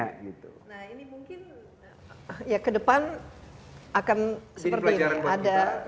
nah ini mungkin ya ke depan akan seperti ini